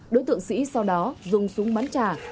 đối tượng sĩ sau đó dùng súng bắn trả